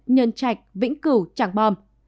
nhân trạch vĩnh cửu trạng bom